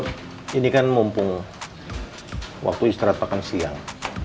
ini kan mumpung waktu istirahat makan siang